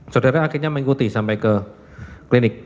saudara akhirnya mengikuti sampai ke klinik